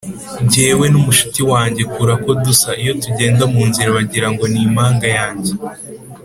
njyewe nu mushuti wanjy kurako dusa iyo tugenda munzira bagirango nimpanga yanjye